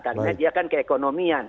karena dia kan keekonomian